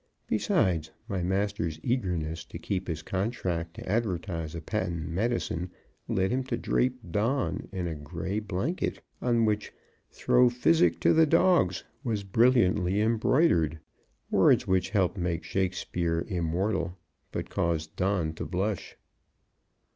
Besides, my master's eagerness to keep his contract to advertise a patent medicine led him to drape Don in a gray blanket, on which, "Throw physic to the dogs," was brilliantly embroidered words which helped make Shakespeare immortal, but caused Don to blush.